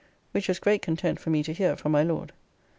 Which was great content for me to hear from my Lord.